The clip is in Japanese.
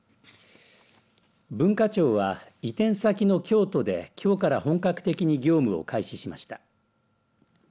文化庁は移転先の京都できょうから本格的に業務を開始しました。